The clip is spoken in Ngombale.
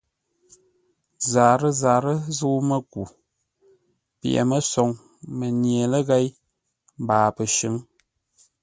Zarə́-zarə́ zə̂u-mə́ku: pye-mə́soŋ, mənyeləghěi mbaa pəshʉ̌ŋ.